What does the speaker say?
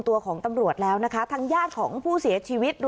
ตัวของตำรวจแล้วนะคะทางญาติของผู้เสียชีวิต